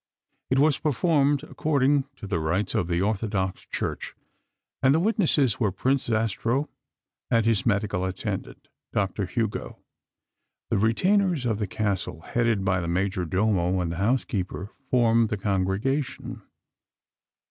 It was performed according to the rites of the Orthodox Church, and the witnesses were Prince Zastrow and his medical attendant, Doctor Hugo. The retainers of the Castle, headed by the major domo and the housekeeper, formed the congregation.